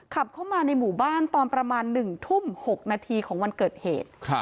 ขับเข้ามาในหมู่บ้านตอนประมาณ๑ทุ่ม๖นาทีของวันเกิดเหตุ